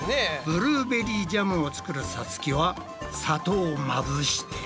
ブルーベリージャムを作るさつきは砂糖をまぶして。